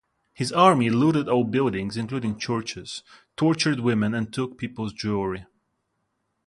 This army looted all buildings -including churches-, tortured women, and took people's jewelry.